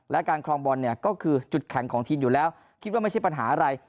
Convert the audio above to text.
และการคลองบอลเนี่ยก็คือจุดแข็งของทีมอยู่แล้วคิดว่าไม่ใช่ปัญหาอะไร